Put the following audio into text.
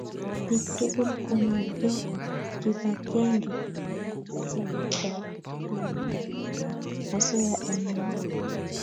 pik tukul konamkei kipakenge siketar namet ap osoya eng emet